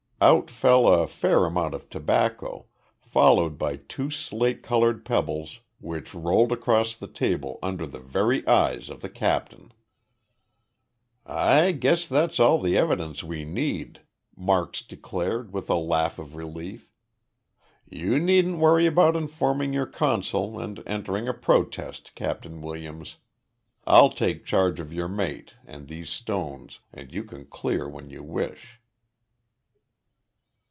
Out fell a fair amount of tobacco, followed by two slate colored pebbles which rolled across the table under the very eyes of the captain! "I guess that's all the evidence we need!" Marks declared, with a laugh of relief. "You needn't worry about informing your consul and entering a protest, Captain Williams. I'll take charge of your mate and these stones and you can clear when you wish."